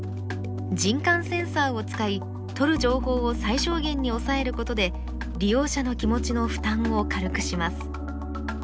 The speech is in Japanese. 人感センサーを使いとる情報を最小限に抑えることで利用者の気持ちの負担を軽くします。